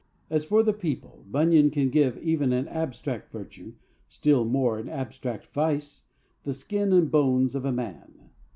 As for the people, Bunyan can give even an abstract virtue still more, an abstract vice the skin and bones of a man.